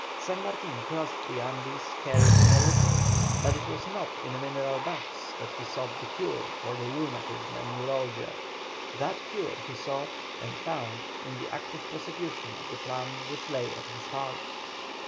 San Martin crossed the Andes carried in a litter, but it was not in mineral baths that he sought the cure for his rheumatism and neuralgia; that cure he sought and found in the active prosecution of the plan which lay at his heart.